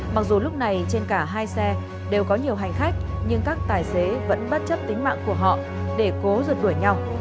mặc dù lúc này trên cả hai xe đều có nhiều hành khách nhưng các tài xế vẫn bất chấp tính mạng của họ để cố rượt đuổi nhau